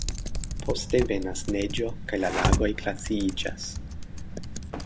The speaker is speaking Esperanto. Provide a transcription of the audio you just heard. Poste venas neĝo kaj la lagoj glaciiĝas.